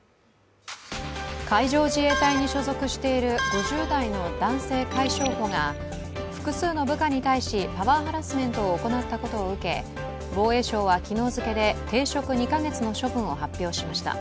海上自衛隊に所属している５０代の男性海将補が、複数の部下に対しパワーハラスメントを行ったことを受け、防衛省は昨日付けで停職２か月の処分を発表しました。